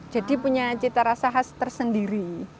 jadi punya cita rasa khas tersendiri